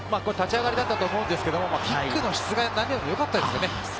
立ち上がりだったと思うんですがキックの質が何よりもよかったですね。